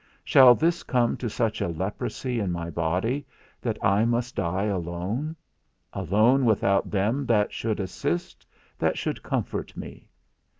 Shall this come to such a leprosy in my body that I must die alone; alone without them that should assist, that should comfort me?